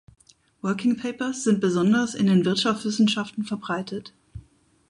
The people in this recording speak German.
Working Papers sind besonders in den Wirtschaftswissenschaften verbreitet.